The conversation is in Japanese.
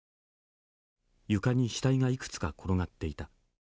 床に死体がいくつか転がっていた。